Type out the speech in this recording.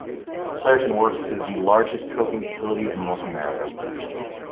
Clairton Works is the largest coking facility in North America.